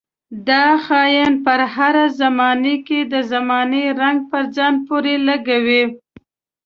دا خاين پر هره زمانه کې د زمانې رنګ په ځان پورې لګوي.